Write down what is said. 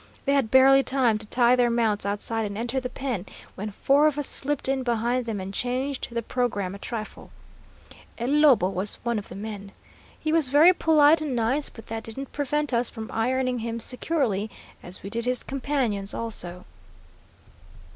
They had barely time to tie their mounts outside and enter the pen, when four of us slipped in behind them and changed the programme a trifle. El Lobo was one of the men. He was very polite and nice, but that didn't prevent us from ironing him securely, as we did his companions also.